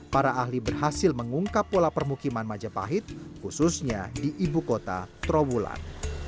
para ahli berhasil mengungkap pola permukiman majapahit khususnya di ibu kota trawulan